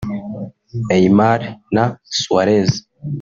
Neymar na Suarez